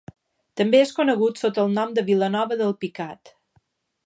També és conegut sota el nom de Vilanova d'Alpicat.